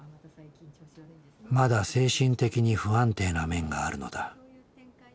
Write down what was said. まだ精神的に不安定な面があるのだ。